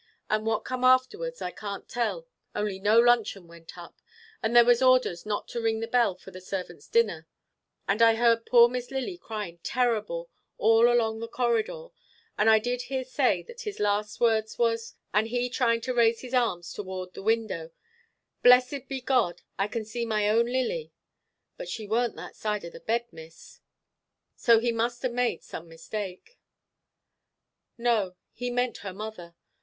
And what come afterwards I can't tell, only no luncheon went up, and there was orders not to ring the bell for the servants' dinner; and I heard poor Miss Lily crying terrible all along the corridor, and I did hear say that his last words was, and he trying to raise his arms toward the window, 'Blessed be God, I can see my own Lily,' but she warn't that side of the bed, Miss; so he must have made some mistake." "No. He meant her mother.